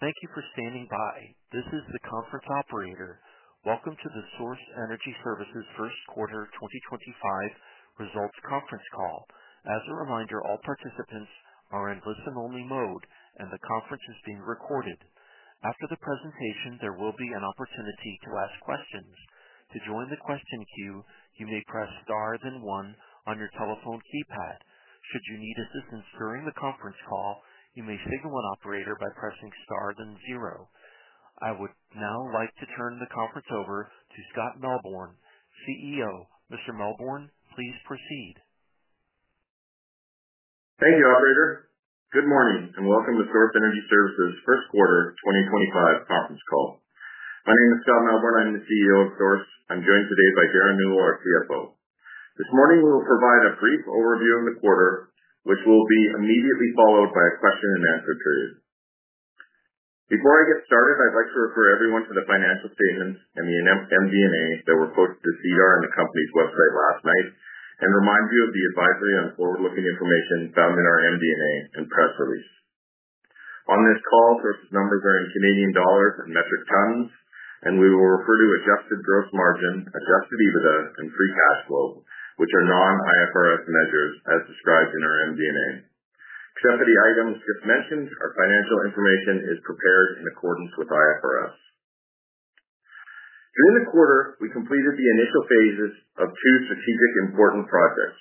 Thank you for standing by. This is the conference operator. Welcome to the Source Energy Services First Quarter 2025 Results Conference Call. As a reminder, all participants are in listen-only mode, and the conference is being recorded. After the presentation, there will be an opportunity to ask questions. To join the question queue, you may press star then one on your telephone keypad. Should you need assistance during the conference call, you may signal an operator by pressing star then zero. I would now like to turn the conference over to Scott Melbourn, CEO. Mr. Melbourn, please proceed. Thank you, operator. Good morning, and welcome to Source Energy Services First Quarter 2025 Conference Call. My name is Scott Melbourn. I'm the CEO of Source. I'm joined today by Derren Newell, our CFO. This morning, we will provide a brief overview of the quarter, which will be immediately followed by a question-and-answer period. Before I get started, I'd like to refer everyone to the financial statements and the MD&A that were posted to CDAR and the company's website last night, and remind you of the advisory on forward-looking information found in our MD&A and press release. On this call, Source's numbers are in CAD and metric tons, and we will refer to adjusted gross margin, adjusted EBITDA, and free cash flow, which are non-IFRS measures, as described in our MD&A. Except for the items just mentioned, our financial information is prepared in accordance with IFRS. During the quarter, we completed the initial phases of two strategic important projects.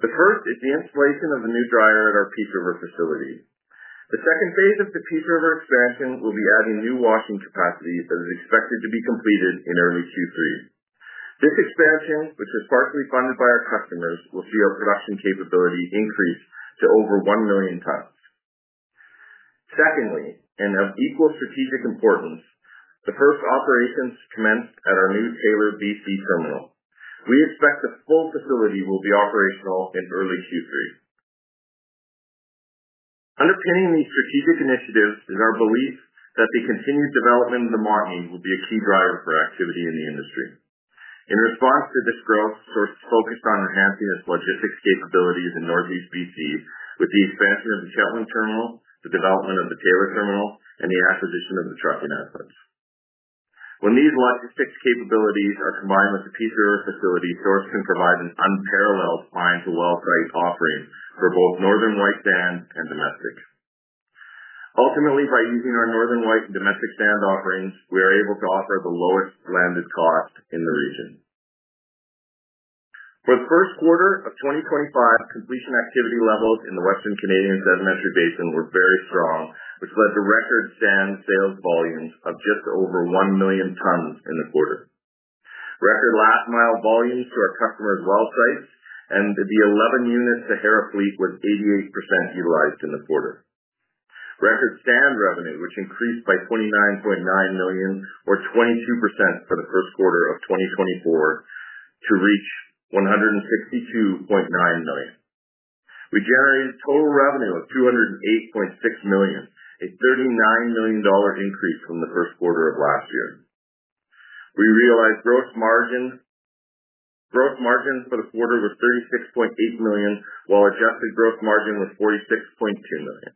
The first is the installation of the new dryer at our Peace River facility. The second phase of the Peace River expansion will be adding new washing capacity that is expected to be completed in early Q3. This expansion, which is partially funded by our customers, will see our production capability increase to over 1 million t. Secondly, and of equal strategic importance, the first operations commenced at our new Taylor, BC terminal. We expect the full facility will be operational in early Q3. Underpinning these strategic initiatives is our belief that the continued development of the [marketing] will be a key driver for activity in the industry. In response to this growth, Source is focused on enhancing its logistics capabilities in Northeast BC, with the expansion of the [Kettling] terminal, the development of the Taylor terminal, and the acquisition of the trucking assets. When these logistics capabilities are combined with the Peace River facility, Source can provide an unparalleled mine-to-well site offering for both northern white sand and domestic. Ultimately, by using our northern white and domestic sand offerings, we are able to offer the lowest landed cost in the region. For the first quarter of 2025, completion activity levels in the Western Canadian Sedimentary Basin were very strong, which led to record sand sales volumes of just over 1 million t in the quarter. Record last-mile volumes to our customers' well sites and the 11 units to Hera Fleet was 88% utilized in the quarter. Record sand revenue, which increased by 29.9 million or 22% for the first quarter of 2024, to reach CAD 162.9 million. We generated total revenue of 208.6 million, a 39 million dollar increase from the first quarter of last year. Gross margins for the quarter were 36.8 million, while adjusted gross margin was 46.2 million.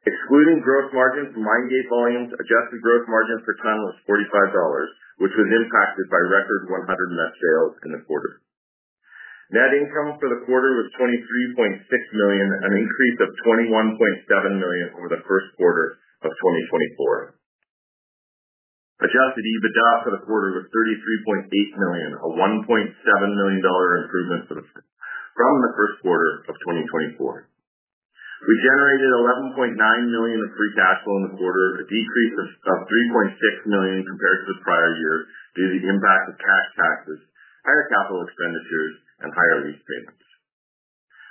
Excluding gross margin from mine gate volumes, adjusted gross margin per ton was 45 dollars, which was impacted by record 100 mesh sales in the quarter. Net income for the quarter was 23.6 million, an increase of 21.7 million over the first quarter of 2024. Adjusted EBITDA for the quarter was 33.8 million, a 1.7 million dollar improvement from the first quarter of 2024. We generated 11.9 million of free cash flow in the quarter, a decrease of 3.6 million compared to the prior year, due to the impact of cash taxes, higher capital expenditures, and higher lease payments.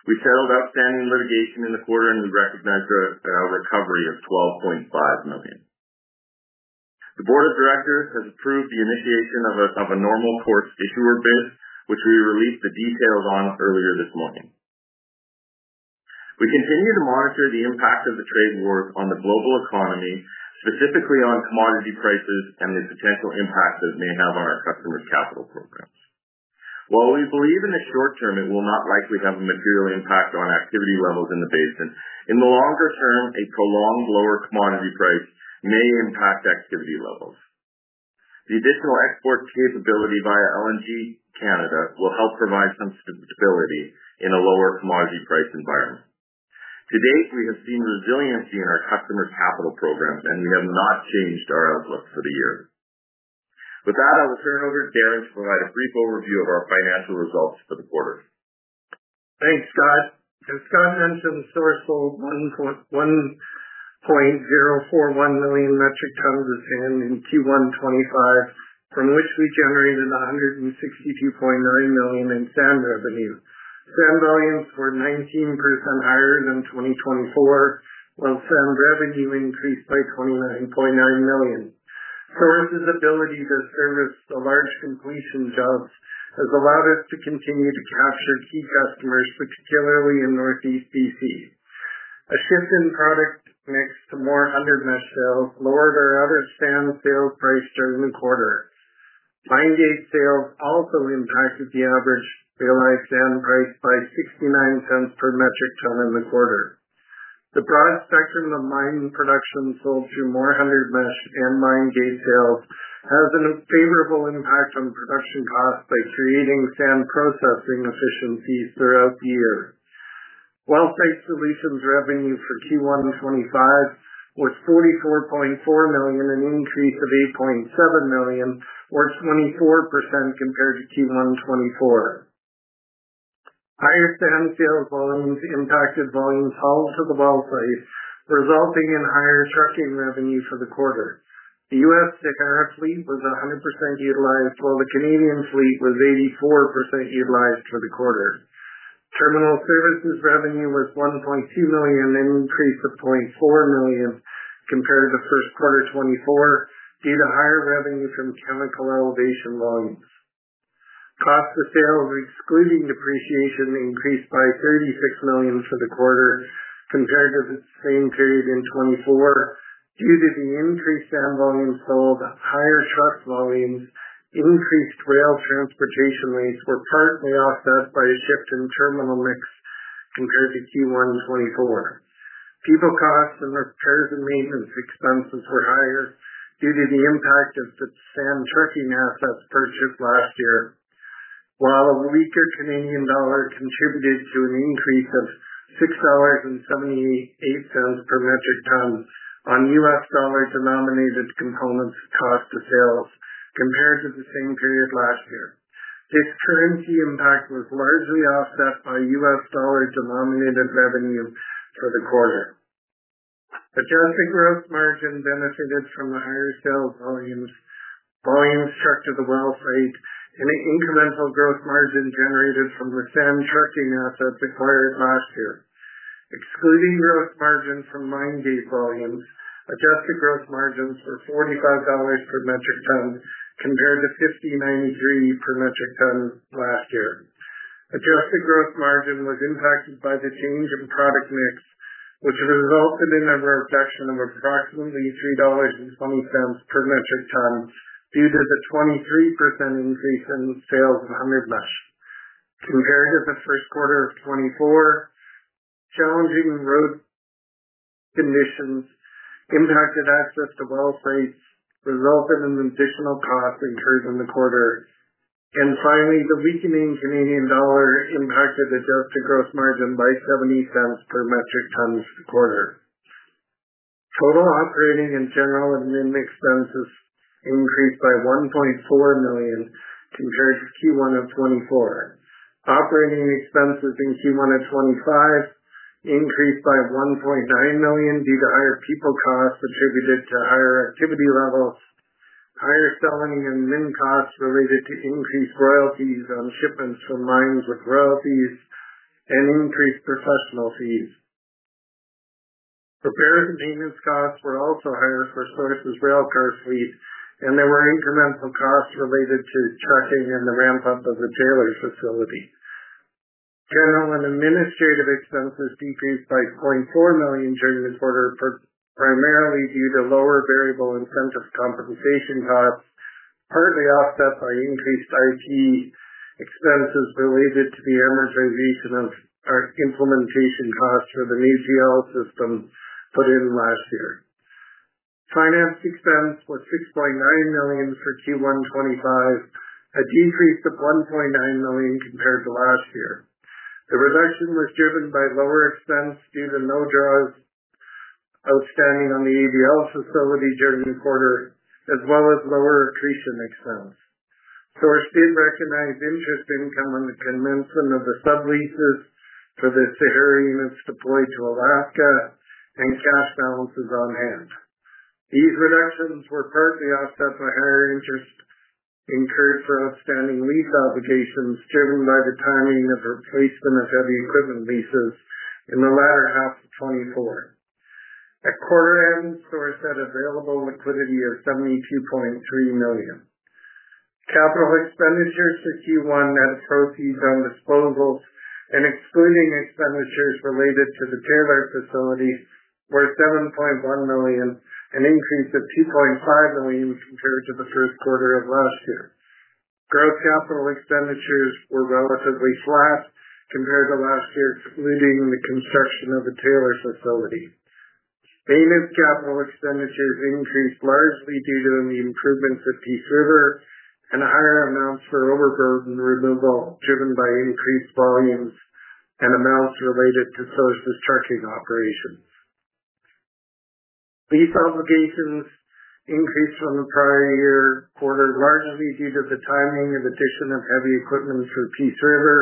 We settled outstanding litigation in the quarter, and we recognized a recovery of 12.5 million. The Board of Directors has approved the initiation of a normal course issuer bid, which we released the details on earlier this morning. We continue to monitor the impact of the trade wars on the global economy, specifically on commodity prices and the potential impact that it may have on our customers' capital programs. While we believe in the short term, it will not likely have a material impact on activity levels in the basin, in the longer term, a prolonged lower commodity price may impact activity levels. The additional export capability via LNG Canada will help provide some stability in a lower commodity price environment. To date, we have seen resiliency in our customers' capital programs, and we have not changed our outlook for the year. With that, I will turn it over to Derren to provide a brief overview of our financial results for the quarter. Thanks, Scott. As Scott mentioned, Source sold 1.041 million t of sand in Q1 2025, from which we generated 162.9 million in sand revenue. Sand volumes were 19% higher than 2024, while sand revenue increased by 29.9 million. Source's ability to service the large completion jobs has allowed us to continue to capture key customers, particularly in Northeast BC. A shift in product mix to more 100 mesh sales lowered our average sand sales price during the quarter. Mine gate sales also impacted the average realized sand price by $0.69 per metric ton in the quarter. The broad spectrum of mine production sold through more 100 mesh and mine gate sales has a favorable impact on production costs, by creating sand processing efficiencies throughout the year. [Well site] solutions revenue for Q1 2025 was 44.4 million, an increase of 8.7 million or 24% compared to Q1 2024. Higher sand sales volumes impacted volumes held to the well site, resulting in higher trucking revenue for the quarter. The U.S. Sahara fleet was 100% utilized, while the Canadian fleet was 84% utilized for the quarter. Terminal services revenue was 1.2 million, an increase of 0.4 million, compared to the first quarter 2024, due to higher revenue from chemical elevation volumes. Cost of sales, excluding depreciation, increased by 36 million for the quarter compared to the same period in 2024. Due to the increased sand volumes sold, higher truck volumes, increased rail transportation rates were partly offset by a shift in terminal mix compared to Q1 2024. People costs and repairs, and maintenance expenses were higher due to the impact of the sand trucking assets purchased last year, while a weaker Canadian dollar contributed to an increase of 6.78 dollars per metric ton on U.S. dollar-denominated components of cost of sales compared to the same period last year. This currency impact was largely offset by U.S. dollar-denominated revenue for the quarter. Adjusted gross margin benefited from the higher sales volumes trucked to the well site, and incremental gross margin generated from the sand trucking assets acquired last year. Excluding gross margin from mine gate volumes, adjusted gross margins were 45 dollars per metric ton compared to 50.93 per metric ton last year. Adjusted gross margin was impacted by the change in product mix, which resulted in a reduction of approximately 3.20 dollars per metric ton due to the 23% increase in sales of 100 mesh. Compared to the first quarter of 2024, challenging road conditions impacted access to well sites, resulting in additional costs incurred in the quarter. Finally, the weakening Canadian dollar impacted adjusted gross margin by 0.70 per metric ton for the quarter. Total operating and general admin expenses increased by 1.4 million compared to Q1 of 2024. Operating expenses in Q1 of 2025 increased by 1.9 million, due to higher people costs attributed to higher activity levels, higher selling and admin costs related to increased royalties on shipments from mines with royalties, and increased professional fees. Repairs and maintenance costs were also higher for Source's railcar fleet, and there were incremental costs related to trucking and the ramp-up of the Taylor facility. General and administrative expenses decreased by 0.4 million during the quarter, primarily due to lower variable incentive compensation costs, partly offset by increased IT expenses related to the amortization of our implementation costs for the new GL system put in last year. Finance expense was 6.9 million for Q1 2025, a decrease of 1.9 million compared to last year. The reduction was driven by lower expenses due to no draws outstanding on the ABL facility during the quarter, as well as lower accretion expense. Source did recognize interest income on the commencement of the sub-leases for the Sahara units deployed to Alaska, and cash balances on hand. These reductions were partly offset by higher interest incurred for outstanding lease obligations, driven by the timing of replacement of heavy equipment leases in the latter half of 2024. At quarter end, Source had available liquidity of 72.3 million. Capital expenditures for Q1 net proceeds on disposals, and excluding expenditures related to the Taylor facility were 7.1 million, an increase of 2.5 million compared to the first quarter of last year. Gross capital expenditures were relatively flat compared to last year, excluding the construction of the Taylor facility. Maintenance capital expenditures increased largely due to the improvements at Peace River, and higher amounts for overburden removal driven by increased volumes and amounts related to Source's trucking operations. Lease obligations increased from the prior year quarter, largely due to the timing of addition of heavy equipment for Peace River,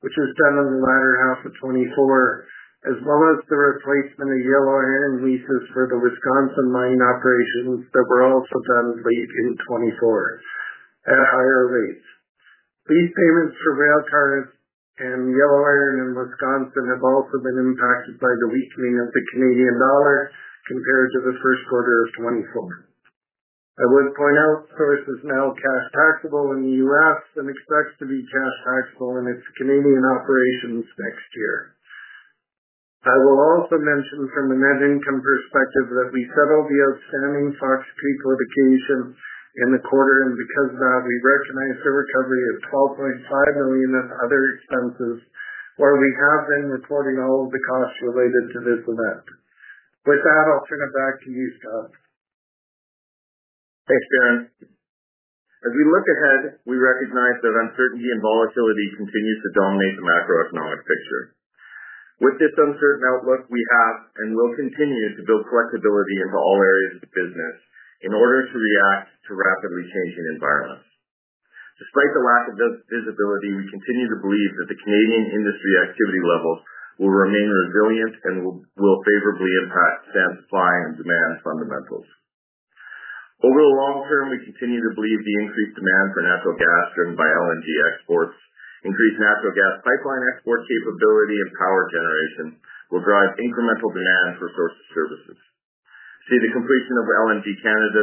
which was done in the latter half of 2024, as well as the replacement of yellow iron leases for the Wisconsin mine operations that were also done late in 2024 at higher rates. Lease payments for railcars and yellow iron in Wisconsin have also been impacted by the weakening of the Canadian dollar, compared to the first quarter of 2024. I would point out, Source is now cash taxable in the U.S. and expects to be cash taxable in its Canadian operations next year. I will also mention from a net income perspective, that we settled the outstanding Fox Creek litigation in the quarter and because of that, we recognize the recovery of 12.5 million in other expenses, where we have been reporting all of the costs related to this event. With that, I'll turn it back to you, Scott. Thanks, Derren. As we look ahead, we recognize that uncertainty and volatility continue to dominate the macroeconomic picture. With this uncertain outlook, we have and will continue to build flexibility into all areas of business in order to react to rapidly changing environments. Despite the lack of visibility, we continue to believe that the Canadian industry activity levels will remain resilient and will favorably impact sand supply and demand fundamentals. Over the long term, we continue to believe the increased demand for natural gas driven by LNG exports, increased natural gas pipeline export capability and power generation will drive incremental demand for Source's services. We see the completion of LNG Canada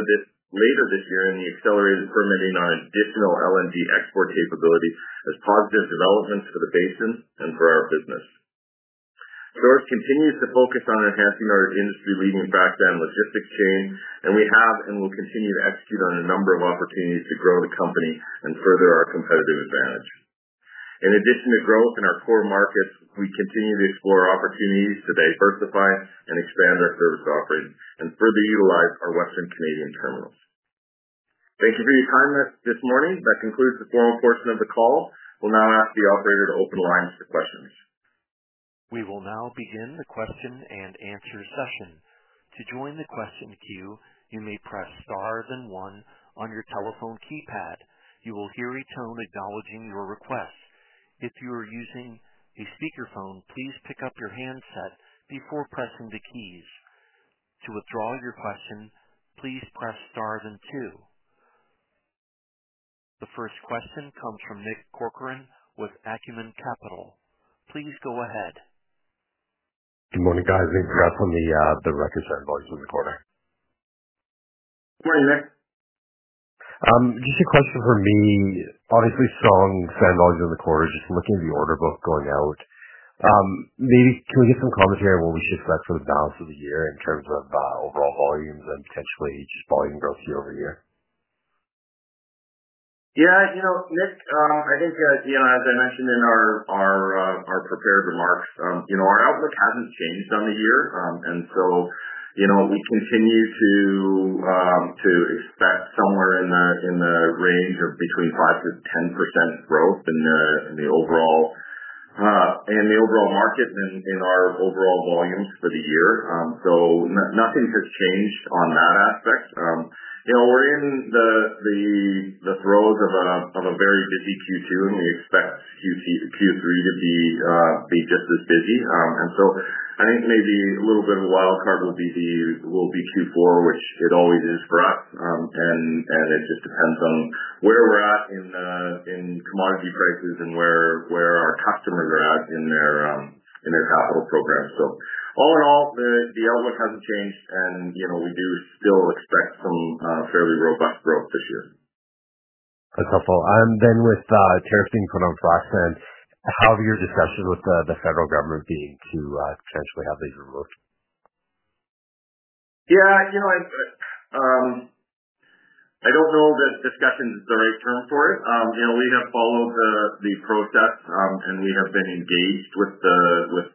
later this year, and the accelerated permitting on additional LNG export capability as positive developments for the basin and for our business. Source continues to focus on enhancing our industry-leading frac sand logistics chain, and we have and will continue to execute on a number of opportunities to grow the company and further our competitive advantage. In addition to growth in our core markets, we continue to explore opportunities to diversify and expand our service offering and further utilize our Western Canadian terminals. Thank you for your time this morning. That concludes the formal portion of the call. We'll now ask the operator to open lines for questions. We will now begin the question-and-answer session. To join the question queue, you may press star then one on your telephone keypad. You will hear a tone acknowledging your request. If you are using a speakerphone, please pick up your handset before pressing the keys. To withdraw your question, please press star then two. The first question comes from Nick Corcoran with Acumen Capital. Please go ahead. Good morning, guys. Congrats on the records and volumes of the quarter. Good morning, Nick. Just a question from me. Obviously, strong sand volumes in the quarter, just looking at the order book going out. Maybe, can we get some commentary on what we should expect for the balance of the year in terms of overall volumes, and potentially just volume growth year over year? Yeah. You know, Nick, I think as I mentioned in our prepared remarks, our outlook hasn't changed on the year. We continue to expect somewhere in the range of between 5%-10% growth in the overall market, and in our overall volumes for the year. Nothing has changed on that aspect. We're in the throes of a very busy Q2, and we expect Q3 to be just as busy. I think maybe a little bit of a wildcard will be Q4, which it always is for us. It just depends on where we're at in commodity prices and where our customers are at in their capital programs. All in all, the outlook hasn't changed and we do still expect some fairly robust growth this year. That's helpful. With tariff being put on frac sand, how have your discussions with the federal government been to potentially have these removed? Yeah. I do not know that discussion is the right term for it. We have followed the process, and we have been engaged with the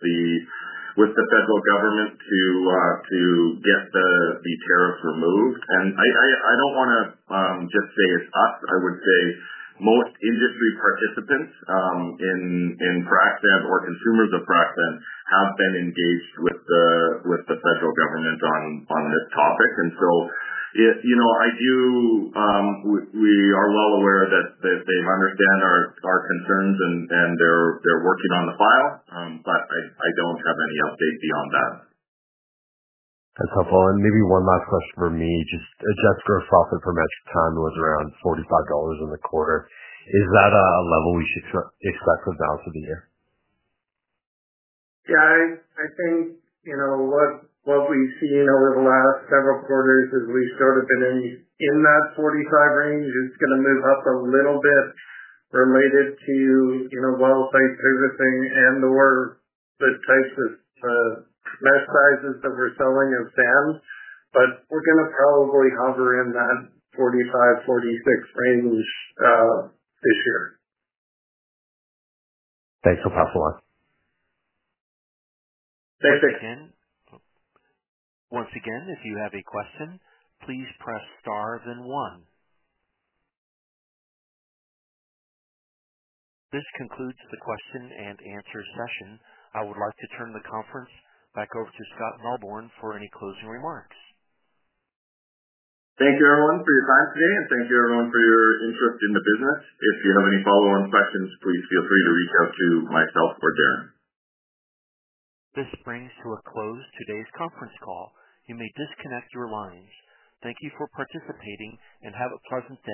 federal government to get the tariffs removed. I do not want to just say it is us. I would say, most industry participants in frac sand or consumers of frac sand have been engaged with the federal government on this topic. We are well aware that they understand our concerns and they are working on the file, but I do not have any update beyond that. That's helpful. Maybe one last question from me. Just adjusted gross profit per metric ton was around 45 dollars in the quarter. Is that a level we should expect for the balance of the year? Yeah. I think what we've seen over the last several quarters, is we've sort of been in that CAD 45 range. It's going to move up a little bit related to well site servicing, and/or the types of the mesh sizes that we're selling of sand. We're going to probably hover in that 45-46 range this year. Thanks. That helps a lot. Thanks, Nick. Once again, if you have a question, please press star then one. This concludes the question-and answer session. I would like to turn the conference back over to Scott Melbourn for any closing remarks. Thank you, everyone for your time today, and thank you, everyone, for your interest in the business. If you have any follow-on questions, please feel free to reach out to myself or Derren. This brings to a close today's conference call. You may disconnect your lines. Thank you for participating and have a pleasant day.